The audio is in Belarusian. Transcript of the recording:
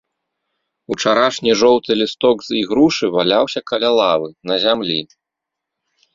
Учарашні жоўты лісток з ігрушы валяўся каля лавы, на зямлі.